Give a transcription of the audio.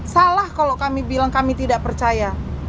salah kalau kami bilang kami tidak percaya